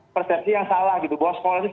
persepsi yang salah gitu bahwa sekolah ini